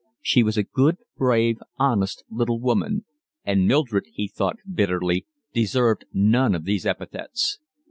She was a good, brave, honest little woman; and Mildred, he thought bitterly, deserved none of these epithets.